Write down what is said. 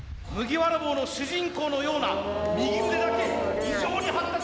麦わら帽の主人公のような右腕だけ異常に発達！